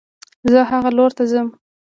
زه هغه لور ته ځم